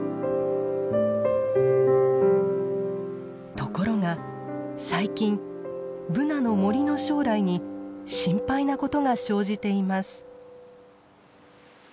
ところが最近ブナの森の将来に心配なことが生じています。